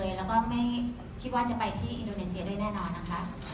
แล้วก็ไม่คิดว่าจะไปที่อินโดนีเซียด้วยแน่นอนนะคะ